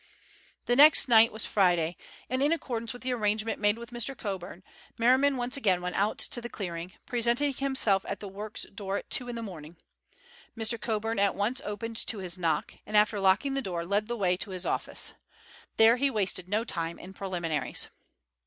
The next night was Friday, and in accordance with the arrangement made with Mr. Coburn, Merriman once again went out to the clearing, presenting himself at the works door at two in the morning. Mr. Coburn at once opened to his knock, and after locking the door, led the way to his office. There he wasted no time in preliminaries.